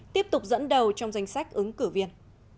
tiếp tục dẫn đầu trong danh sách ứng cử viên